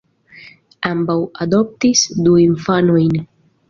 Ambaŭ adoptis du infanojn.